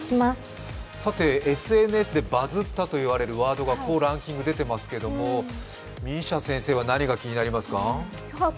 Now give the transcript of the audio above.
さて、ＳＮＳでバズったといわれるワードが出ていますがＭＩＳＩＡ先生は何が気になりますか？